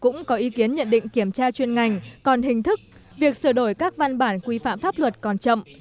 cũng có ý kiến nhận định kiểm tra chuyên ngành còn hình thức việc sửa đổi các văn bản quy phạm pháp luật còn chậm